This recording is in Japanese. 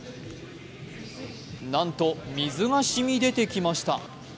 なんと水がしみ出てきました。